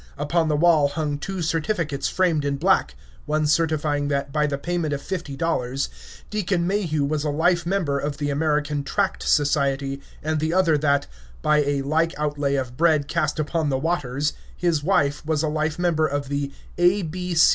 Upon the wall hung two certificates framed in black, one certifying that, by the payment of fifty dollars, Deacon Mayhew was a life member of the American Tract Society, and the other that, by a like outlay of bread cast upon the waters, his wife was a life member of the A.